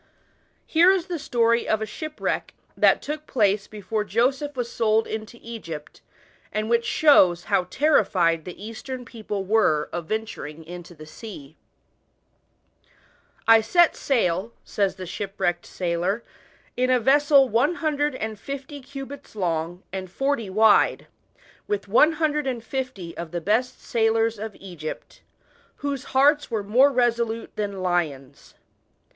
Here is the story of a shipwreck, that took place before Joseph was sold into Egypt, and which shows how terrified the Eastern people were of venturing "on the sea. "I set sail/' says the shipwrecked sailor, *" in a vessel one hrupdred and fifty cubits long and EARLY SETTLEMENTS. 37 forty wide, with one hundred and fifty c T the best sailers of Egypt, whose hearts were more resolute than lions.